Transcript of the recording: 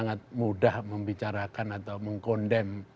orang yang sangat mudah membicarakan atau mengkondem